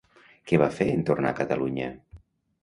Què va fer en tornar a Catalunya?